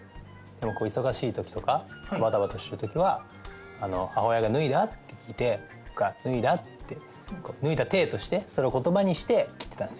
でも忙しいときとかばたばたしてるときは母親が「脱いだ？」って聞いて僕が「脱いだ」って脱いだ体としてそれを言葉にして切ってた。